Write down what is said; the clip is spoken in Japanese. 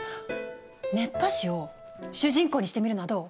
熱波師を主人公にしてみるのはどう？